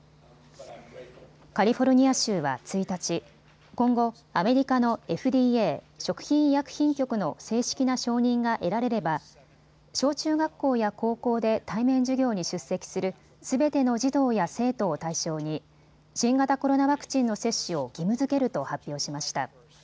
カリフォルニア州は１日、今後、アメリカのＦＤＡ・食品医薬品局の正式な承認が得られれば小中学校や高校で対面授業に出席するすべての児童や生徒を対象に新型コロナワクチンの接種を義務づけると発表しました。